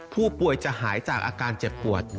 ผู้ป่วยจะหายจากอาการเจ็บปวด